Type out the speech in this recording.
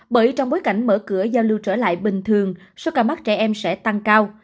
bởi trong bối cảnh mở cửa giao lưu trở lại bình thường số ca mắc trẻ em sẽ tăng cao